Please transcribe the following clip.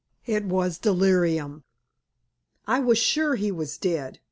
IT WAS DELIRIUM I was sure he was dead.